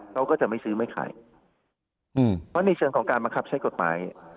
เขาก็จะไม่ซื้อไม่ขายเพราะในเชิงของการบังคับใช้กฎหมาย